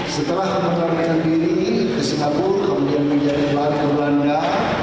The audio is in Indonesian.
setelah membangun diri ke singapura kemudian menjadi keluarga belanda